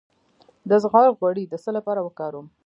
د زغر غوړي د څه لپاره وکاروم؟